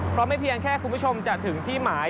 เพราะไม่เพียงแค่คุณผู้ชมจะถึงที่หมาย